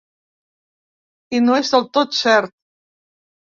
I no és del tot cert.